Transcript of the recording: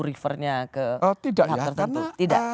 refernya ke hal tertentu